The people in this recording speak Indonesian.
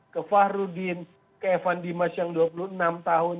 ke fahrudin ke evan dimas yang dua puluh enam tahun